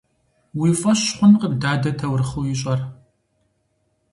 Уи фӀэщ хъункъым дадэ таурыхъыу ищӀэр.